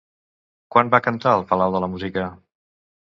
Quan va cantar al Palau de la Música?